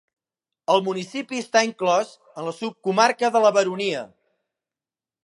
El municipi està inclòs en la subcomarca de La Baronia.